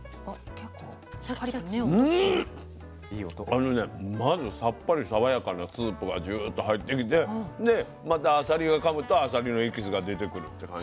あのねまずさっぱり爽やかなスープがジューッと入ってきてでまたあさりをかむとあさりのエキスが出てくるって感じ。